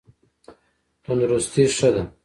تندرستي ښه ده.